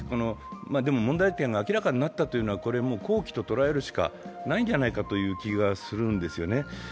でも問題点が明らかになったというのは、好機と捉えるしかないんじゃないかというような気がするんですよね。